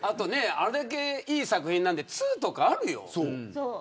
あれだけいい作品なんで２とかあるよ。